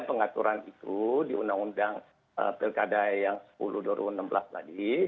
pengaturan itu di undang undang pilkada yang sepuluh dua ribu enam belas tadi